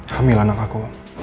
hamil anak aku